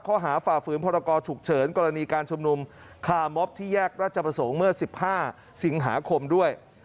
ฝ่าฝืนพรกรฉุกเฉินกรณีการชุมนุมคาร์มอบที่แยกราชประสงค์เมื่อ๑๕สิงหาคมด้วย